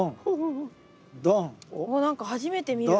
わっ何か初めて見る。